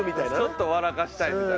ちょっと笑かしたいみたいな。